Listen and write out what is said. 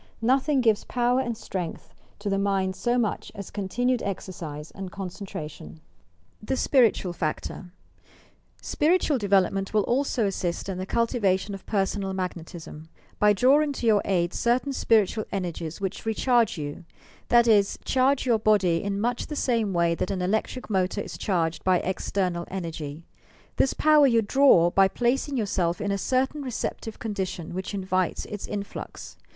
Nothing gives power and strength to the mind so much as continued exercbe and concentration. PERSONAL MAGNETISM THE SPIRITUAL FACTOR SpiritaaL development will also assist in the cultiva tion of personal magnetism, by drawing to your aid cer tain spiritual energies which recharge you; — that is, charge your body in much the same way that an electric motor is charged by external energy. This power you draw by placing yourself in a certain receptive condi tion which invites its influx.